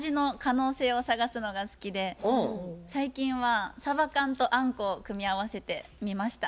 最近はサバ缶とあんこを組み合わせてみました。